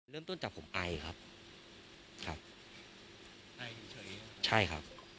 เริ่มต้นจากผมไอครับ